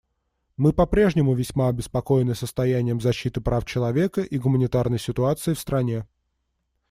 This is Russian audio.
Мы по-прежнему весьма обеспокоены состоянием защиты прав человека и гуманитарной ситуацией в стране.